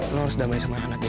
lo harus damai sama anaknya